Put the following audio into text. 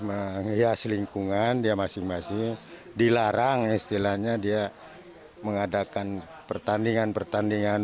menghias lingkungan dia masing masing dilarang istilahnya dia mengadakan pertandingan pertandingan